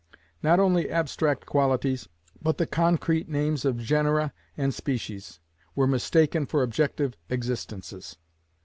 Not only abstract qualities, but the concrete names of genera and species, were mistaken for objective existences.